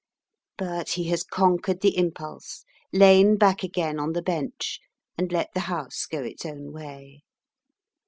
But he has conquered the impulse, lain back again on the bench, and let the House go its own way.